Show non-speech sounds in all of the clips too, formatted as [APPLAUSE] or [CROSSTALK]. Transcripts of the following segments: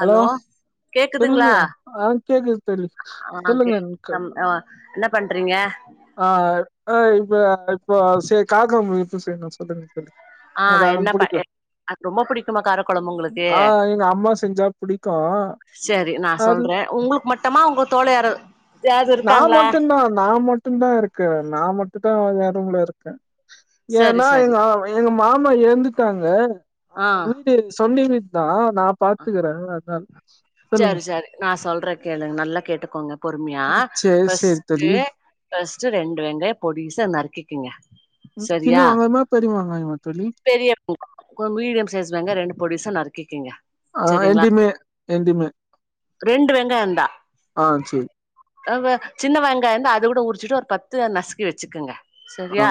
Hello சொல்லுங்க கேக்குதுங்களா ஆ கேக்குது தெரிது ஆ கே சொல்லுங்கக்கா நம் ஆ என்ன பண்றீங்க ஆ அ இப்ப [UNINTELLIGIBLE] இப்ப சே காகம் [UNINTELLIGIBLE] அ எனக்கு அது என்ன ப புடிக்கு எ அது ரொம்ப புடிக்குமா கார கொழம்பு உங்குளுக்கு ஆ எங்க அம்மா செஞ்சா புடிக்கு செரி நா அது சொல்றே உங்ளுக் மட்டுமா உங்க [UNINTELLIGIBLE] நா இருக்காங்களா மட்டுந்தா நா மட்டுந்தா இருக்கே நா மட்டு [UNINTELLIGIBLE] நா ஏ ரூம்ல இருக்கே சரி ஏன்னா சரி எங்க-எங்க மாமா எற்ந்துட்டாங்க ஆ அவுங்க வீடு சொந்த வீட் தா நா பாத்துக்குறே அதா செரி செரி நா சொல்றே கேளுங் நல்லா கேட்டுக் கோங்க பொறுமியா சேரி சேரி பஸ்ட்டு தோழி பஸ்ட்டு ரெண்டு வெங்காயோ பொடிசா நறுக்கி கிங்க ம், சின்ன செரியா வெங்காயமா பெரிய வெங்காயமா தோழி பெரிய [UNINTELLIGIBLE] மீடியம் சைஸ் வெங்காய ரெண்டு பொடிசா நறுக் கிக்கிங்க ஆஹ் என்டிமே என்டிமே ரெண்டு வெங்காயம் தா ஆ செரி [UNINTELLIGIBLE] சின்ன வெங்காயம் இருந்தா அது கூட உரிச்சுட்டு ஒரு பத்து நசுக்கி வச்சுக்கங்க சரியா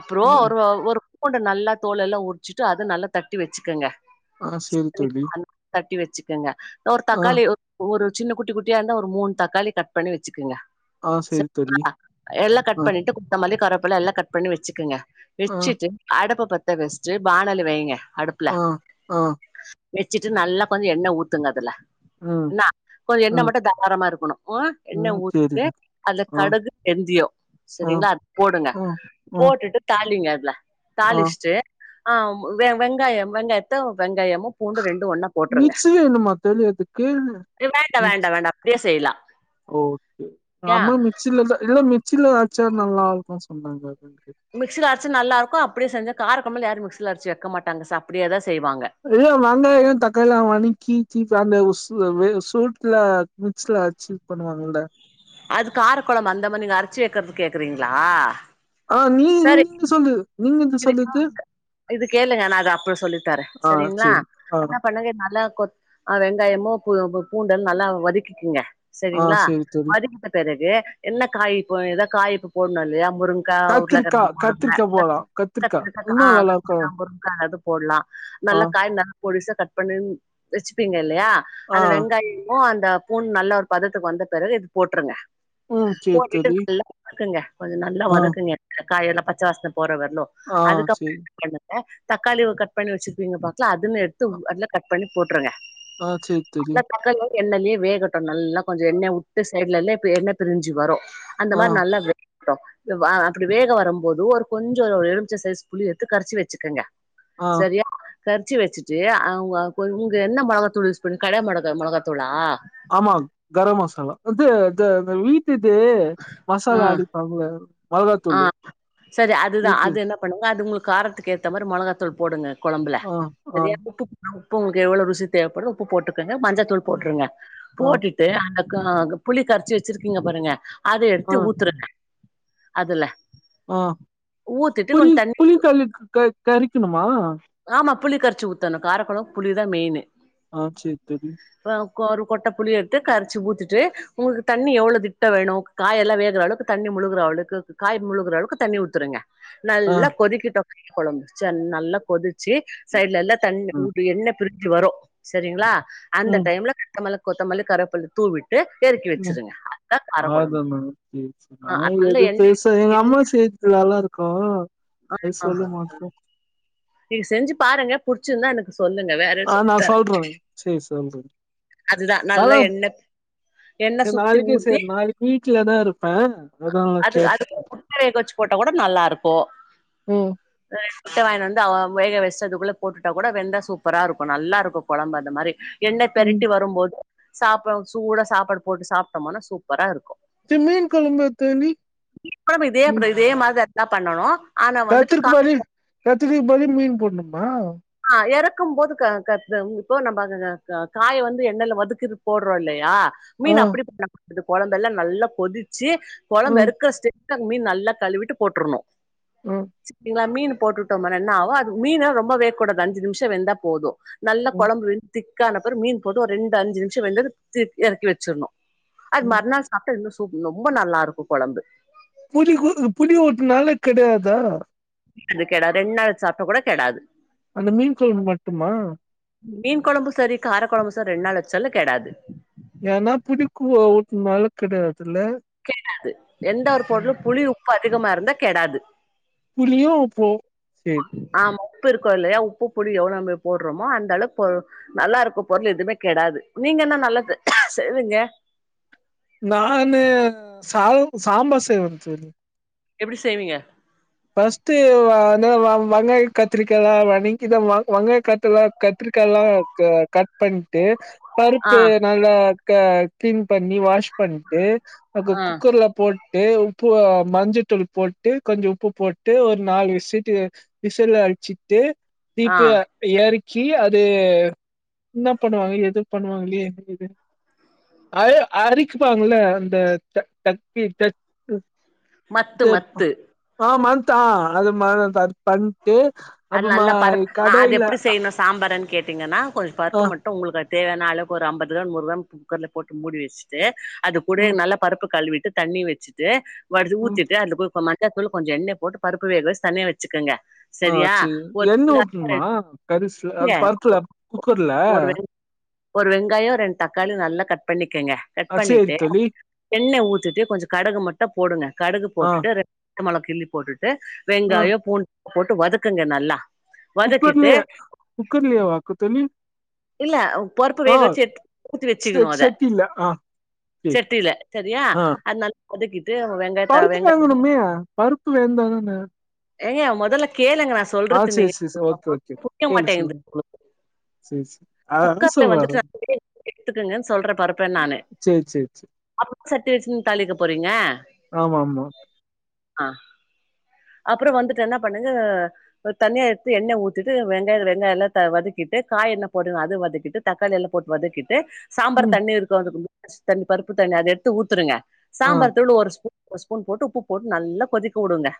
அப்புறம் ஆ ஒரு ஒரு பூண்ட நல்லா தோல எல்லா உரிச்சுட்டு அத நல்லா தட்டி வச்சுக்கங்க ஆஹ் செரி தோழி கங்க ஒரு ஆ தக்காளி ஒரு சின்ன குட்டி குட்டியா இருந்த ஒரு மூணு தக்காளி கட் பண்ணி வச்சுக்கங்க ஆ சேரி சரியா தோழி எல்லாம் ஆ கட் பண்ணிட்டு கொந்தமல்லி கருவா அப்பல்லாம் எல்லாம் கட் பண்ணி வச்சுக்கங்க ஆ வச்சிட்டு அடுப்ப பத்த வச்சிட்டு பானல் வைங்க ஆஹ் ஆஹ் வச்சிட்டு நல்லா கொஞ்ச எண்ணெய் உ ஊத்துங்க அதுல ம் எண்ண கொஞ்சம் எண்ணெ ம் மட்டும் தாரளமா இருக்கணும் ம் எண்ணெய் ஊத்தி சேரிங்க அதில ஆ கடுகு வெந்தியம் ஆ சரிங்களா போடுங்க ஆ ஆ போட்டுட்டு தாளிங்க ஆ தாளிச்சிட்டு ஆஹ் வெங்காயம் வெங்காயத்த வெங்காயமும் பூண்டு ரெண்டு ஒன்னா போட்ருங்க முதல் எதுக்கு மிக்சு செய்லாம் ஓகே ஆமா மிச்சிலந்தா இல்ல மிச்சில அ ச்ச நல்ல ஆள் தா சொன்னாங்க அதுக்கு மிக்ஸில அரைச்சு நல்லா இருக் கா அப்படியே செஞ்ச கார கொம்பல் யாரு மிக்சல அரச்சிவக்க மாட்டாங்க சார் அப்படியேதா வெயு வங்காயோ தக்காளிலா வணக்கி இப்ப அந்த ஸ்சுவவே சூட்ல அ மிக்ஸில அரச்சீ பண்ணுவாங்கல்ல அது காரக்கொழம்பு அந்த மாரி நீங்க அரச்சி வைக்கறது கேக்கறீங்களா ஆஹ் நீ நீங்க சொல்லு நீ இது கேளுங்க நா அத அப்பறம் சொல்லி தரே ஆ சரிங்களா சேரி ஆ என்ன பண்ணுங்க நல்லா கொத் அ வெங்காயமு கொ பூண்டல்லா நல்லா வதக்கிக்குங்க ஆ சரிங்களா சேரி தோழி வதிக்கிட்ட பிறகு என்ன காய் கொ ஏதோ காய் இப்ப போடணும் முருங்கா கத்திரிக்கா உருளகழுங்க போடுங்க கத்திரிக்கா போலா கத்திரிக்கா கத்ரிக்காதா இன்னு ஆ நல்லா இருக்கு கத்ரிக்கா முருங்கா அது போடலாம் ஆ நல்ல காய் நா பொடிசா கட் பண்னு வச்சுப்பீங்க இலையா ஆ அந்த வெங்காயமும் அந்த த பூண் நல்லா ஒரு பதத்துக்கு வந்த பிறகு எடுத் போட்ருங்க ம் சேரி போட்டுட்டு தோழி நல்லா வதக்குங்க கொஞ்சம் நல்லா ஆ வதக்குங்க [UNINTELLIGIBLE] காயெல்லா பச்ச வாசன போறவர்லு ஆ செரி ஆ தக்காளி [UNINTELLIGIBLE] கட் பண்ணி வச்சிருப்பீங்க பாரு ல்ல அதுமே எடுத்து அதுல கட் பண்ணி போட்ருங்க ஆ சேர் தோழி எண்ணலே வேகட்டு நல்லா கொஞ்ச எண்ணெய வுட்டு ஸ் சைடலல்லே இப்ப எண்ணெ பிரிஞ்சு வரும் அந்த ஆ மாரி நல்ல [UNINTELLIGIBLE] வா அப்டி வேக வரும்போது ஒரு கொஞ்ச ஒரு எலும் ன்ன சைஸ் புளி எடுத்து கரைச்சி வச்சுக்கங்க ஆ சரியா கறச்சி வச்சிட்டு அவங்க கொங்க என்ன மொளகாத்தூள் யூஸ் பண்ணி கட மிளக மொளகா தூளா த அத வீட் டுது ஆ மசாலா அடிப்பாங்க ஆ செரி அதுதா அது என்ன பண்ணு அது உங்களுக்கு காரத்துக்கு ஏத்த மாரி மொளகாத்தூள் போடுங்க கொழம்புல ஆ ஆ [UNINTELLIGIBLE] உப்பு உங்ளுக்கு எவ்ளோ ருசி தேவப்படுதோ உப்பு போட்டு [UNINTELLIGIBLE] மஞ்சத்தூள் போட்ருங்க ஆ போட்டுட்டு அந்த க புளி கரைச்சி வச்சிருக்கீங்க பாருங்க அத ஆ எடுத்து ஊத்துறங்க அதுல ஆ ஊத்திட்டு புளி கொஞ்ச தண்ணி புளி கல்லுக்கு க கரைக்கணுமா ஆமா புளி கரைச்சு ஊத்தணு கார கொழம்புக்கு புளி தா மெயினு ஆ சேர் [UNINTELLIGIBLE] ஒரு கொட்ட புளி எடுத்து கரைச்சு ஊத்திட்டு உங்ளுக்கு தண்ணி எவ்ளோ திட்ட வேணு காய்யெல்லா வேகற அளவுக்கு தண்ணி முழுகற அளவுக்கு காய் முழுகற அளவுக்கு தண்ணி ஊத்துருங்க ஆ நல்லா கொதிக்கிட்டு [UNINTELLIGIBLE] கொழம்பு செரி நல்லா கொதி ச்சு சைட்ல எல்லா தண்ணி ம் உடு எண்ணெ பிருச்சு வரு சேரிங்ளா அந்த ம் டைம்ல கக்கமலு கொத்தமல்லி கருவப்பில்ல தூவிட் ம் ஆதா கொழம்பு மே சேர் சேர் நா ஆ நல்ல எது எண்ணெ பேச எங் அம்மா செய்து நல்லாருக்கு து சொல்லுமாட்டனு இத் நசெஞ்சு பாருங்க புட்ச்சிருந்தா எனக்கு சொல்லுங்க வேற ஆ சொல்லி நா தார சொல்றே சேரி சொல்றே அதுதா அதா நல்ல எண்ண எண்ண சுத்தி ஊத்தி வீட்லேதா இருப் ப அதா கேட்ட போட்ட கோட நல்லாருக்கு ம் முட்டை வாங்கினு வந்து ஆ வேக வெச்டு அதுக்குள்ள போட்டுட்டா கூட வெந்தா சூப்பரா இருக்கு நல்லாருக்கு கொழம்பு அந்த மாரி எண்ண ம் பெரட்டி வரும் போது சாப்டவு சூடா சாப்பாடு போட்டு சாப்ட்டமனா சூப்பரா இருக்கு தி மீன் கொழம்பு தோழி கொழம்பு இதே அப்புறோ இதே மாரிதான் என்னா பண்ணணும் கத்தக்கு மாதிரி கத்திருக்கு மாதிரி மீன் போடணும் ஆ ஆ எறக்கும் போது இப்போ நம்ம காய வந்து எண்ணெயில வதக்கி போடுறோம் இல்லையா ஆ மீன் அப்படி பண்ணலாம் அது கொழம்பெல்லாம் நல்லா கொதிச் கொதிச்சு கொழம்பு ம் எறக்கற ஸ்டேஜ் மீன் நல்லா கழுவிட்டு போட்டுருணும் ம் சரிங்களா மீன் போட்டுட்டோம்ன என்ன ஆகும் அது மீன் ரொம்ப வே கூட அந்த அஞ்சு நிமிஷம் வெந்தா போதும் நல்ல ம் கொழம்பு வெந்து இதான பிறகு மீன் பொதுவா ஒரு ரெண்டு அஞ்சு நிமிஷம் வந்து இறக்கி வச்சிடணும் அது ம் மறுநாள் சாப்பிட்டா ரொம்ப நல்லா இருக்கும் குழம்பு புளி ஊத்த புளி ஊத்துனாலும் கெடாதா அது கெடாது ரெண்டு நாள் சாப்பிட்டா கூட கெடாது அந்த மீன் குழம்பு மட்டுமா மீன் குழம்பும் சரி கார குழம்பும் சரி ரெண்டு நாள் வச்சாலும் கெடாது ஏன்னா புளிக்கூட ஊத்துதனாலே கெடாது கேடாது எந்த ஒரு பொருளும் புளிவு உப்பு அதிகமா இருந்தா கெடாது புளியோ உப்போ நம்ம உப்பு இருக்கோம் இல்லையா உப்பு புளி எவ்வளவு நம்ம போடுறோமோ அந்த அளவு பொ நல்லா இருக்கு பொருள் எதுவுமே கெடாது நீங்க என்ன நல்லது செய்வீங்க நான் ச சம்பார் செய்வ எப்படி செய்வீங்க ஃபர்ஸ்ட் வெங்காய கத்திரிக்க எல்லாம் வணங்கி வங்காய கத்திரா கத்திரிக்காயல்லாம் கட் பண்ணிட்டு ஆ பருப்பு நல்லா கிளீன் பண்ணி வாஷ் பண்ணிட்டு அ ஆ குக்கர்ல போட்டு உப்பு மஞ்ச தூள் போட்டு கொஞ்ச உப்பு போட்டு ஒரு நாலு விசட்டு விசில் அழச்சிட்டு ஆ தீப்பு ஏரி கி அது என்ன பண்ணுவாங்க எது பண்ணுவாங்களே இது அ அரிக்குப்பாங்கள அ அ அந்த தட்டி மத்து மத்து அஹ் மந்த் ஆஹ் அது அ ம பண் ட்டு அது அப்பமா நல்லா பருப் கடை அது இல்ல எப்டி செய்யணு சாம்பாருன்னு கேட்டீங்கன்னா கொஞ்ச பர்ப்ப மட்டு உங்களுக்கு தேவையான அளவுக்கு ஒரு ஐம்பது கிராம்ம் நூறு கிராம் குக்கர்ல போட்டு மூடி வச்சுட்டு அது கூட ம் நல்ல பருப்பு கழுவி தண்ணி வச்சுட்டு வடுச்சு ம் ஊத்திட்டு அதுல போய் [UNINTELLIGIBLE] மிளகாதுள் கொஞ்ச எண்ணய போட்டு பருப்பு வேக வச்சு தனியா வச்சுோங்க ஆஹ் சரி எண்ண ஊத்தணுமா கரிசுல அ பருத்துல குக்கர்ல ஒரு வெ ஒரு வெங்காயம் ரெண்டு தக்காளி நல்லா கட் பண்ணி ங்க கட் ஆ சேரி பண்ணிட்டு தோழி எண்ணய ஊத்துட்டு கொஞ்ச கடுகு மட்டு போடுங்க கடுகு ஆ போட்டுட்டு பச்ச மொளகா கிள்ளி போட்டுட் ஆ வெங்காயம் பூண் போட்டு வதக் க்குங்க நல்லா வதக்கிட்டு குக்கர்லயே குக்கர்லயேவாக்கு தோழி இல்ல பொறப்பு ஆ வேக வச்சுத்தி செ வச்சிக்கணும் அத செட்டில ஆ சேரி செட்டில சரியா ஆ அதனால கொதக்கி பருப்பு வேங்கணுமோ பருப்பு வேந்தாதன ஏங்க மொதல கேளுங்க நா சொல்றத்த நீங்க சேரி சேரி ஓகே ஓகே [INAUDIBLE] கேளு மாட்டேங்குது சொல்லுங்க சேரி சேரி அதா குக்கர்ல சொல்வாரு வந்துட்டு நா [INAUDIBLE] எடுத்துக்கங்கன் சொல்ற பருப்பன் நானு சேரி சேரி சேரி சட்டி வச்சுன் தாளிக்க போறீங்க ஆமா ஆமா அஹ் அப்ற வந்துட்டு என்ன பண்ணு யா அஹ் தனியா எட்த்து எண்ணெ ஊத்திட்டு வெங்காய வெங்காயலா த வதக்கிட்டு காயெல்லா போடு அத வதக்கிட்டு தக்காளி எல்லா போட்டு வதக்கிட்டு சாம்பார் ம் தண்ணி இருக்கான்றதில்ல தண்ணி பருப்பு தண்ணி அத எட்த்து ஊத்திருங்க ஆ சாம்பார் தூள் ஒரு ஸ்பூ ஒரு ஸ்பூன் போட்டு உப்பு போட்டு நல்லா கொதிக்க விடுங்க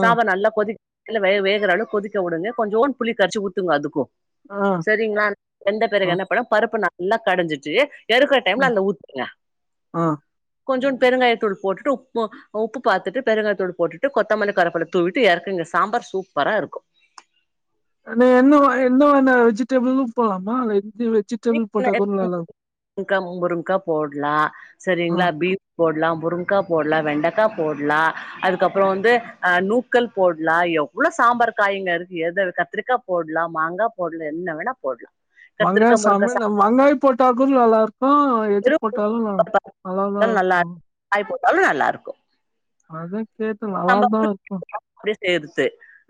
ஆ நல்லா கொதிக் இல்ல வே வேகறாலு கொதிக்க விடுங்க கொஞ்சோன் புளி கரைச்சி ஊத்துங்க அதுக்கு ஆ செரிங்ளா வெந்த ஆ பெறகு என்ன பண்ணு பருப்பு ந ல்லா கடஞ்சிட்டு எறக்குற டைம்ல ம் அதுல ஊத்துங்க ஆ கொஞ்சம் பெருங்காய தூள் போட்டுட்டு உப்பு அஹ் உப்பு பாத்துட்டு பெருங்காய தூளு போட்டுட்டு கொத்தமல்லி கரவப்பில தூவிட்டு எறக்குங்க சாம்பார் சூப்பரா இருக்கு நீ என்ன வ என்ன வேனா வெஜிட்டபிளு போட்லாமா வீட்ல [INAUDIBLE] ங்கா முருங்கா போட்லா இருக்குமா செரிங்ளா பீ போட்லா முருங்கா போட்லா வெண்டக்கா போட்லா அதுக்கப்புறோ வந்து அ நூக்கல் போட்லா எவ்ளோ சாம்பார் காய்ங்க இருக்கு எத கத்திரிக்கா போட்லா மாங்கா போட்லா என்ன வேணா போட்லா வாங்க கத்திரிக்கா ஸ் முருங்கா தமிழ் நம்ம அங்கய்ப் போட்டாகூ நல்லாரு அ எது சா போட்டாலு நல்லாதாருக்கு ட்டாலு நல்லாருக்கு அதே கேத்து நல்லாதா இக்கூ எடுத்து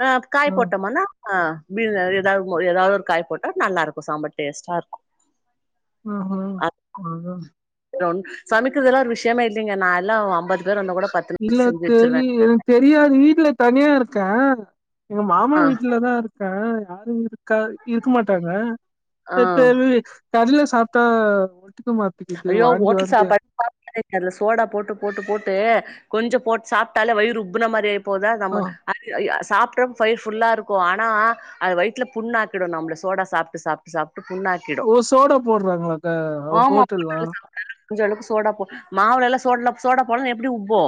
ஆ காய் போட்டமன்னா ஆ பீன் எதாவ மொ எதாவுது ஒரு காய் போட்டா நல்லாருக்கு சாம்பார் டேஸ்ட்டாருக்கு அஹ அதா கும் சமைக்கிறதுலா ஒரு விஷ்யமே இல்லைங்க நாலா அம்பது இல்ல தெரில தெரியாது வீட்டுல தனியா இருக்கே எங்க மாமா ஆ வீட்டுலதா இருக்கா [UNINTELLIGIBLE] க இருக்க மாட்டாங்க ஆ [UNINTELLIGIBLE] கடைல சாப்ட்டா ஒட்டுக்க மாட்டிக்குது ஐயோ வாந்தி ஓட்டல் வாந்தியா சாப்பாடு சாப்பாட்டுல சோடா போட்டு போட்டு போட்டு கொஞ்சோ போட்டு சாப்ட்டாலே வயிறு உப்புன மாரி ஆயி போதா ஆ நம்ம அ அ அ சாப்டறப்ப வயிறு ஃபுல்லா இருக்கு ஆனா அது வயித்துல புண்ணாக்கிடு நம்மல சோடா சாப்ட்டு சாப்ட்டு சாப்ட்டு ஓ சோடா போட்றாங்களாக்கா ஆமா ஹோட்ட ஹோட்டல்ல சாப்டாலு ஞ்ச அளவுக்கு சோடாப்பு மாவுல எல்லா சோல்ட சோடாப் போல்ன் எப்டி உப்பு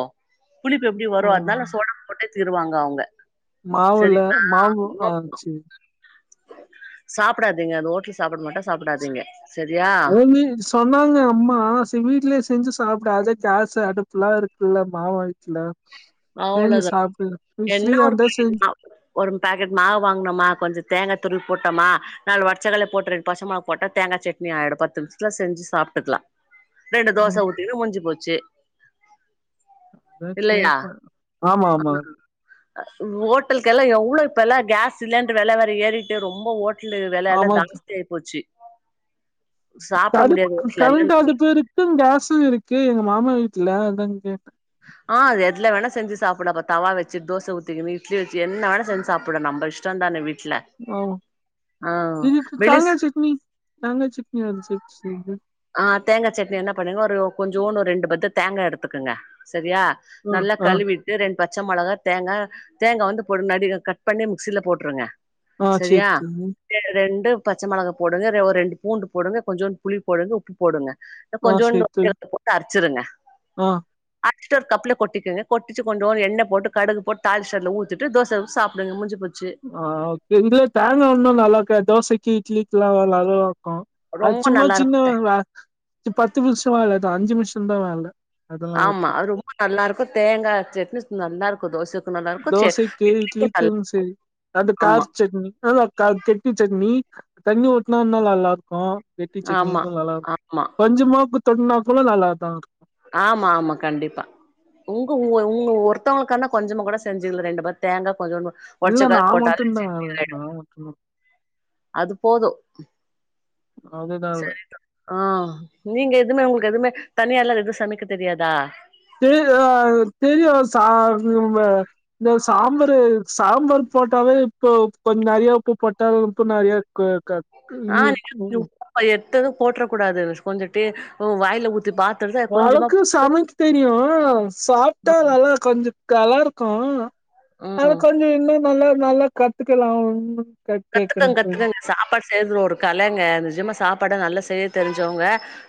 புளிப்பு எப்டி வரு அதுனால நா சோடாப் போட்டு திருவாங்க அவுங்க மாவு இல்ல மாவு ஆ சே சாப்டாதீங்க அது ஓட் சாப்ட மாட்டே சாப்டாதீங்க சரியா அவிங்க சொ சொன்னாங்க அம்மா சே வீட்லயே செஞ்சு சாப்டு அத கேஸ் அடுப்புலா இருக்குல்ல மாமா வீட்டுல அவ்ளதா என்ன ஃப்ரீயா ஒரு இருந்தா பாக்கெட் செஞ்சு மாவு ஒரு பாக்கெட் மாவு வாங்னமா கொஞ்ச தேங்கா துருவி போட்டமா நாலு ஒட்ச்சக்கட்ல போட்டு ரெண்டு பச்சமொளகா போட்டா தேங்கா சட்னி ஆயிடு பத்து நிம்ஷத்துல செஞ்சு சாப்ட்டுக்லா ரெண்டு ம் தோச ஊத்தி முடிஞ்சு போச்சு ஆஹ் கேக்க ஆமா ஆமா அ ஓட்டல்கெல்லா எவ்ளோ இப்பலா கேஸ் சிலிண்டர் வெல வேற ஏறிட்டு ரொம்ப ஓ இட்லி வெலலா ஆமா தாஸ்தி ஆயி போச்சு சாப்ட முடியாது தடுப்புக்கு வீட்ல கரண்ட் எல்லா அடுப்பு இருக்கு கேஸு இருக்கு மாமா வீட்ல அதாங்க கேட்டே ஆ எதுல வேணா செஞ்சு சாப்புடு அப்ப தவா வச்சு தோச ஊத்திக்கினு இட்லி வச்சு என்ன வேனா செஞ்சு சாப்டுக்க நம்ப இஷ்டந்தானா வீட் ஓ இதுக்கு வெளிஸ் தாங்க சட்னி தேங்கா சட்னி அரச்சு உம் ஹிம் ஆஹ் தேங்கா சட்னி என்ன பண்ணுங்க ஒரு கொஞ்சோனு ரெண்டு பத்த தேங்கா எடுத்துக்குங்க செரியா ஆ நல்லா ஆ கழுவிட்டு ரெண் பச்ச மொளகா தேங்கா தேங்கா வந்து பொடி நடிக கட்பண்ணி மிக்சில போட்ருங்க ஆ சேரி செரியா தம்பி [UNINTELLIGIBLE] ரெண்டுப் பச்சை மொளகா போடுங்க ரெ ஒ ரெண்டு பூண்டு போடுங்க கொஞ்சம் புளி போடுறது உப்பு போடுங்க ஆ சேரி கொஞ்சோண்டு தம்பி இழுத்துபோட்டு அரச் சுருங்க ஆ அரச்சிட்டு ஒரு கப்ல கொட்டிகங்க கொட்டிச்சு [UNINTELLIGIBLE] எண்ண போட்டு கடுகு போட்டு தாழிஷ்டு அதுல ஊத்திட்டு தோச ஊத் சாப்டுங்க முடிஞ்சு போ ஆ ஓகே இதுல தேங்கா ஒண்ணும் நல்லா இருக்காத் தோசைக் கீ இட்லிக்குலா நல்ல அது ரொம்ப சும்மா நல்லா சின்ன இருக்கு [UNINTELLIGIBLE] பத்து [UNINTELLIGIBLE] இல்ல அஞ்சு மிஷம் தான் வேல அதனால ஆமா கேட்ட ரொம்ப நல்லா இருக்கு தேங்கா சட்னி நல்லா இருக்கு தோச தோசைக்கு இட்லிக்கு சரி அது ஆமா கார் சட்னி நல்லா க கெட்டி சட்னி தண்ணி ஊத்னா இன்னு நல்லா இருக்கு கெட்டி ஆமா சட்னிக்கு நல்லா இருக்கு ஆமா கொஞ்சமா தொட்னா கூட நல்லாதா ஆமா ஆமா கண்டிப்பா உங்க உஉ உங்க ஒருத்தவங்களுக்கானா கொஞ்சமா கூட செஞ்சுக்க ரெண்டு பே தேங்கா கொஞ்ச இல்ல நா மட்டும்தா வேற நான் மட்டும்தா சரிதா ஆ நீங்க எதுவுமே உங்களுக்கு எதுவுமே தனியால்லாம் எதுவும் சமைக்க தெரியாதா [UNINTELLIGIBLE] தெரியும் சார் இந்த சாம்பரு சாம்பார் போட்டாவே இப்போ கொஞ்சம் நறைய உப்ப போட்டாலும் இப்ப நிறைய இருக்கும் ஆ [UNINTELLIGIBLE] போட்ர கூடாது கொஞ்சட்டு வாயில பாத்துட்டு கொஞ்சமா அழக்கு சமைக்கு தெரியும் சாப்பிட்டா நல்லா கொஞ்சம் கல்லர் கோ ம் அதுக்கொஞ்சம் இன்னும் நல்லா நல்லா கத்துக்கலாம் ம் கத்துக்கோங்க கத்துக்கங்க சாப்பாடு செய்றது ஒரு கலைங்க நிஜாம சாப்பா படம் நல்ல செய்ரிய தெரிஞ்சவங்க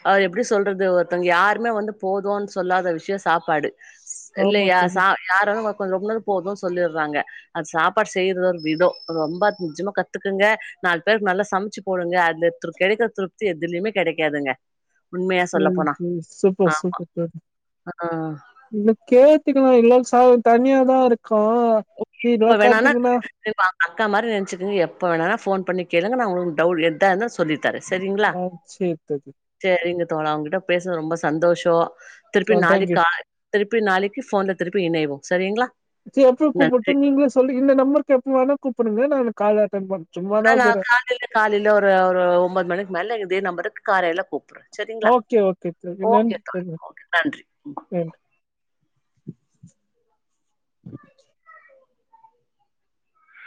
அவர் எப்படி சொல்றது ஒருத்தவங்க யாருமே வந்து போதும்ன்னு சொல்லாத விஷயம் சாப்பாடு ஆமா இல்லையா ச தோழி யாரோ கொஞ்சம் கூட போதும் சொல்லிடுறாங்க அது சாப்பாடு செய்யற விதம் ரொம்ப நிஜமாக கத்துக்குங்க நாலு பேருக்கு நல்லா சமைச்சு போடுங்க அதுல கிடைக்கிற திருப்தி எதுலயுமே கிடைக்காதுங்க. உண்மையா சொல்ல சரி போனா சரி ஆ சூப்பர் சூப்பர் ஆ [UNINTELLIGIBLE] கே க்கலா இல்ல ச தனியா தா இருக் ஓகே இப்ப வேணானா [INAUDIBLE] அக்கா மாரி நினைச்சுக்கங்க எப்ப வேனா போன் பண்ணி கேளுங்க நா உங்க டவு எதா இருந்தா சொல்லி தரே சரிங்களா ஆ சேரி தோழி சரிங்க தோழா உங்ககிட்ட பேசுனது ரொம்ப சந்தோஷோ திருப்பி ஆ நாளைக்கு தேங்க்யூ கா திருப்பி நாளைக்கு போன்ல திருப் பி இணைவோ சரிங்களா செரி அப்புறோ கூப்பிட்டு நன்றி நீங்களே சொல்லி இந்த நம்பருக்கு எப்ப வேனா கூப்பிடுங்க. நா கால் அட்டன் பண் அ சும்மாதா நா இக்குறே காலைல காலைல ஒரு ஒரு ஒம்பது மணிக்கு மேல இதே நம்பருக் காலேல கூப்பிடுறே ஓகே ஓகே தோழி நன்றி தோழி ஓகே நன்றி நன்றி [INAUDIBLE]